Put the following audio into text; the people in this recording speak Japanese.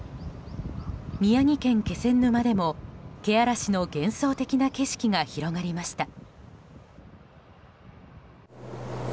宮城県気仙沼でも、けあらしの幻想的な景色が広がりました。